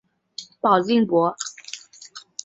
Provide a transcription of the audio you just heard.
保定伯。